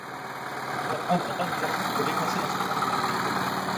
Il doit prendre un bain de glaçons pour décoincer l'instrument de musique.